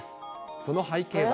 その背景は。